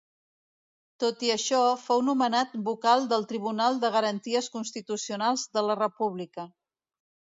Tot i això, fou nomenat vocal del Tribunal de Garanties Constitucionals de la República.